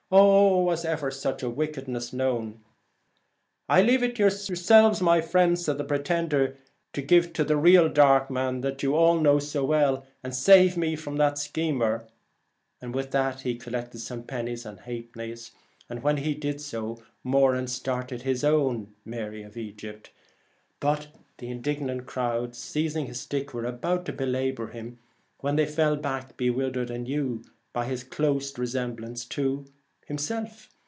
O, was ever such wickedness known ?' 1 1 leave it to yourselves, my friends,' said the pretender, ' to give to the real dark man, that you all know so well, and save me from that schemer,' and with that he collected some pennies and half pence. While he was doing so, Moran started his Mary of Egypt, but the indignant crowd seizing his stick were about to belabour him, when they fell back bewildered anew 87 The by his close resemblance to himself.